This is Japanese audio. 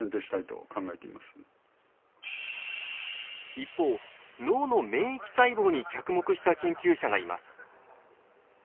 一方脳の免疫細胞に着目した研究者がいます。